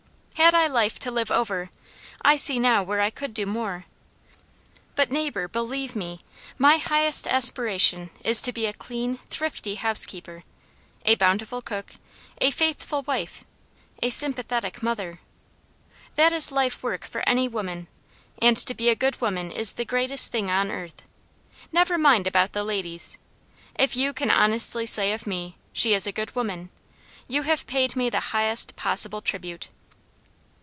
Had I life to live over, I see now where I could do more; but neighbour, believe me, my highest aspiration is to be a clean, thrifty housekeeper, a bountiful cook, a faithful wife, a sympathetic mother. That is life work for any woman, and to be a good woman is the greatest thing on earth. Never mind about the ladies; if you can honestly say of me, she is a good woman, you have paid me the highest possible tribute."